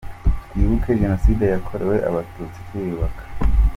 Twibuke Genocide yakorewe Abatutsi, Twiyubaka.